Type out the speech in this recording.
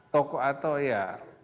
tokoh atau ya